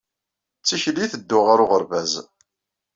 D tikli i tedduɣ ɣer uɣerbaz